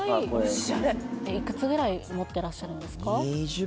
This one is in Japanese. オシャレいくつぐらい持ってらっしゃるんですか？